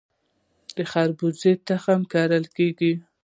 د خربوزې تخم کرل کیږي؟